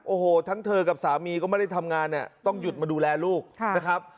โอ้โหทั้งเธอกับสามีก็ไม่ได้ทำงานเนี่ยต้องหยุดมาดูแลลูกนะครับ